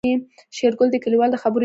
شېرګل د کليوال د خبرو ياد وکړ.